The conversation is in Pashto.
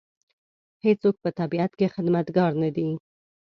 هېڅوک په طبیعت کې خدمتګار نه دی.